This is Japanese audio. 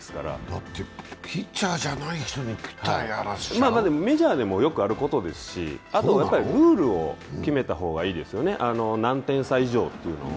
だってピッチャーじゃない人にピッチャーをやらせちゃメジャーでもよくあることですし、あとはルールを決めたほうがいいですよね、何点差以上っていうのは。